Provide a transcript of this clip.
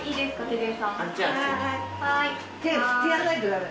手を振ってやらないと。